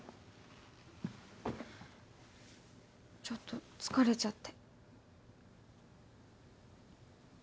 ちょっと疲れちゃって。